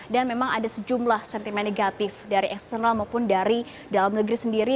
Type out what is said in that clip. dan memang ada sejumlah sentimen negatif dari eksternal maupun dari dalam negeri sendiri